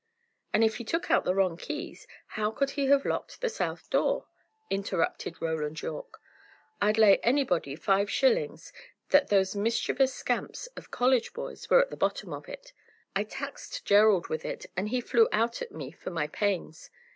"And if he took out the wrong keys, how could he have locked the south door?" interrupted Roland Yorke. "I'd lay anybody five shillings that those mischievous scamps of college boys were at the bottom of it; I taxed Gerald with it, and he flew out at me for my pains.